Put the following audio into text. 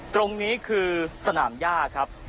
ตรงนี้คือสนามย่าครับ